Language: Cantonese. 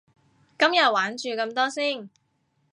今日玩住咁多先